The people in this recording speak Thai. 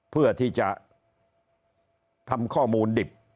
เพื่อที่จะทำข้อมูลดิบ